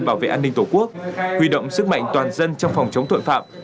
bảo vệ an ninh tổ quốc huy động sức mạnh toàn dân trong phòng chống tội phạm